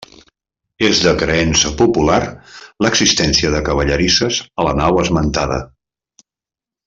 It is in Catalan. És de creença popular l'existència de cavallerisses a la nau esmentada.